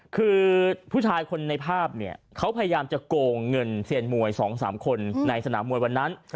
คือผู้ชายคนในภาพเนี่ยเขาพยายามจะโกงเงินเซียนมวย๒๓คนในสนามมวยวันนั้น